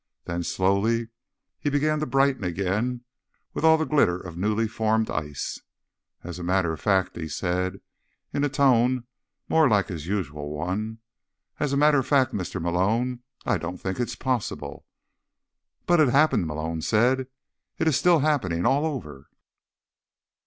Then, slowly, he began to brighten again, with all the glitter of newly formed ice. "As a matter of fact," he said, in a tone more like his usual one, "as a matter of fact, Mr. Malone, I don't think it's possible." "But it happened," Malone said. "It's still happening. All over."